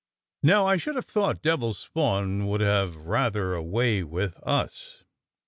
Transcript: "Now I should have thought devil spawn would have had rather a way with us."